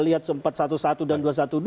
lihat empat ratus sebelas dan dua ratus dua belas